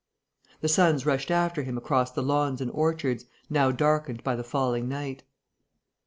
The sons rushed after him across the lawns and orchards, now darkened by the falling night.